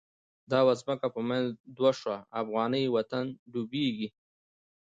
ته وا ځمکه په منځ دوه شوه، افغانی وطن ډوبیږی